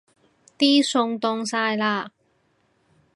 啲餸凍晒喇